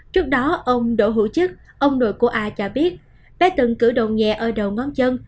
trước đó ông đỗ hữu chức ông nội của a cho biết bé từng cử đồn nhẹ ở đầu ngón chân